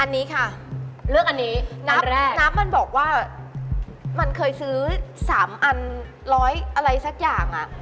อันนี้ค่ะเลือกอันนี้อันแรกนับมันบอกว่ามันเคยซื้อสามอันร้อยอะไรสักอย่างอ่ะ